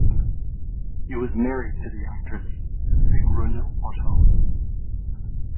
He was married to the actress Sigrun Otto.